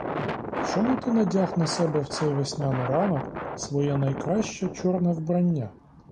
Чому ти надяг на себе в цей весняний ранок своє найкраще чорне вбрання?